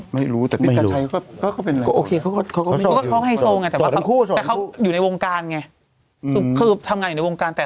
ไม่รู้แต่ก็เป็นไง